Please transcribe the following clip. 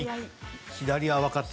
左は分かった。